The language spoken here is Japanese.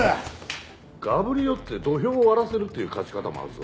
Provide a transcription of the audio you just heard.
がぶり寄って土俵を割らせるっていう勝ち方もあるぞ。